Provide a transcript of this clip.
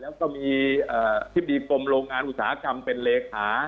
แล้วก็มีอธิบดีกรมโรงงานอุตสาหกรรมเป็นเลขา